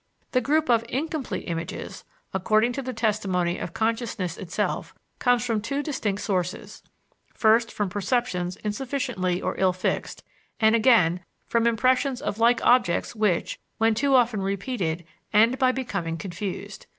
The group of incomplete images, according to the testimony of consciousness itself, comes from two distinct sources first, from perceptions insufficiently or ill fixed; and again, from impressions of like objects which, when too often repeated, end by becoming confused.